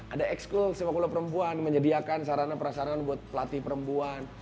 ada ekskul sepak bola perempuan menyediakan sarana perasarana buat pelatih perempuan